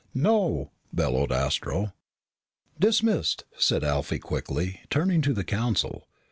"No!" bellowed Astro. "Dismissed," said Alfie quickly, turning to the Council.